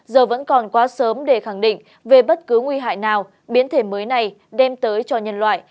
giờ vẫn còn quá sớm để khẳng định về bất cứ nguy hại nào biến thể mới này đem tới cho nhân loại